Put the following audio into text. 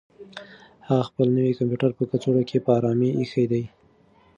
هغه خپل نوی کمپیوټر په کڅوړه کې په ارامه اېښی دی.